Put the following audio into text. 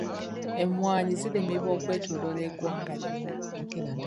Emmwanyi zirimibwa okwetooloola eggwanga lyonna.